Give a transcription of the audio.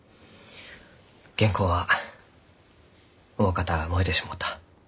原稿はおおかた燃えてしもうた。